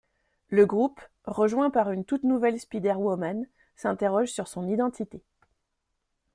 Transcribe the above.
Le groupe, rejoint par une toute nouvelle Spider-Woman, s'interroge sur son identité.